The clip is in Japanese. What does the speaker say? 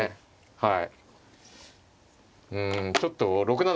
はい。